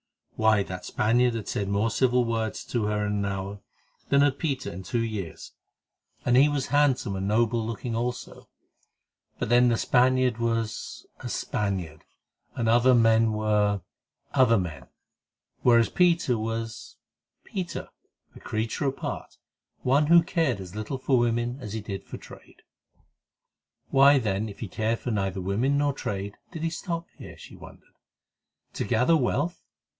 Why, that Spaniard had said more civil words to her in an hour than had Peter in two years, and he was handsome and noble looking also; but then the Spaniard was—a Spaniard, and other men were—other men, whereas Peter was—Peter, a creature apart, one who cared as little for women as he did for trade. Why, then, if he cared for neither women nor trade, did he stop here? she wondered. To gather wealth?